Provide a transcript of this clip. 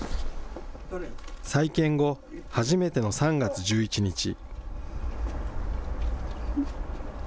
再建後、初めての３月１１日。